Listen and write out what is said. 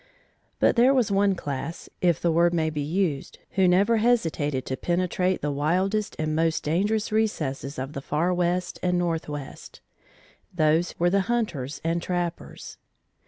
But there was one class (if the word may be used), who never hesitated to penetrate the wildest and most dangerous recesses of the far West and Northwest: those were the hunters and trappers.